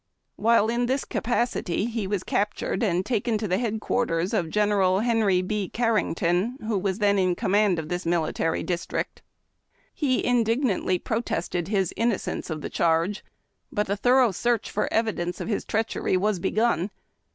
While in this capacity he was captured and taken to the headquarters of General Henry B. Carrington, who was then in connnand of this mil itary district. He indignantl}^ protested his innocence of the charge, but a thorough search for evidence of his treachery w\as begun.